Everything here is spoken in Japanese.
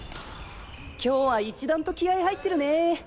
今日は一段と気合い入ってるね。